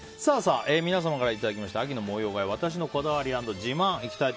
皆さんからいただきました秋の模様替え私の家のこだわり＆自慢です。